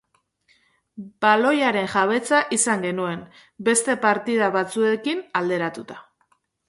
Baloiaren jabetza izan genuen, beste partida batzuekin alderatuta.